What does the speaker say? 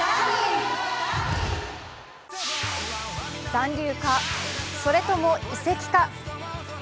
残留か、それとも移籍か。